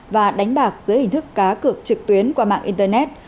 và đánh bạc dưới hình thức cá cược trực tuyến qua mạng internet